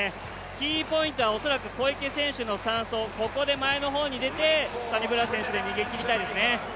キーポイントは恐らく小池選手の３走、ここで前の方に出て、サニブラウン選手で逃げ切りたいですね。